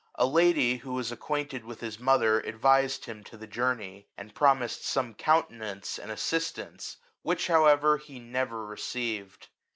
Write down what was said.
A lady, who was acquainted with his mother, advised him to the journey, and promised some countenance and assist ance, which however he never received.